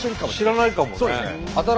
知らないかもね。